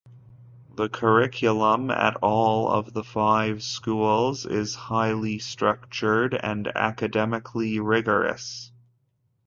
The curriculum at all of the five schools is highly structured and academically rigorous.